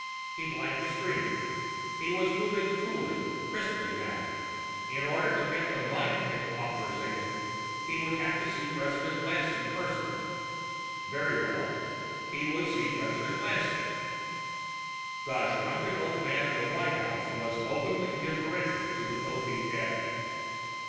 He blanked the screen. He was moving coolly, crisply now. In order to get a mind pick authorization, he would have to see President Lanson personally. Very well; he would see President Lanson. The shrunken old man in the White House was openly deferential to the Popeek head.